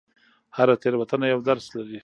هره تېروتنه یو درس لري.